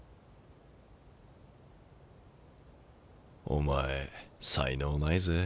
お前才能ないぜ。